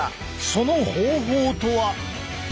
その方法とは。